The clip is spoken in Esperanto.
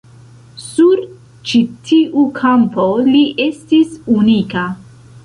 Sur ĉi tiu kampo li estis unika.